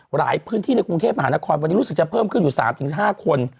หลายพื้นที่ในกรุงเทพมหานครวันนี้รู้สึกจะเพิ่มขึ้นอยู่๓๕คน